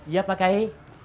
iya pak kai